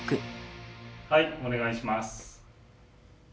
はいお願いします。